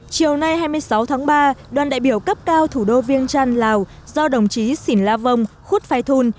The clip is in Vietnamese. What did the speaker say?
chiều nay hai mươi sáu tháng ba đoàn đại biểu cấp cao thủ đô viêng trăn lào do đồng chí xỉn la vong khuất phai thun